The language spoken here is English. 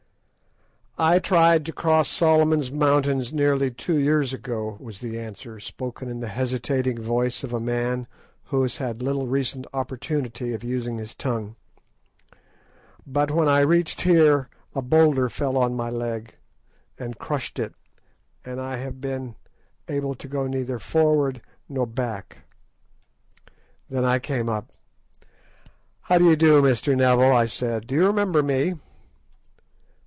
"I tried to cross Solomon's Mountains nearly two years ago," was the answer, spoken in the hesitating voice of a man who has had little recent opportunity of using his tongue, "but when I reached here a boulder fell on my leg and crushed it, and I have been able to go neither forward nor back." Then I came up. "How do you do, Mr. Neville?" I said; "do you remember me?"